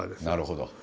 なるほど。